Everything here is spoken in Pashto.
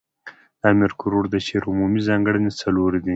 د امیر کروړ د شعر عمومي ځانګړني څلور دي.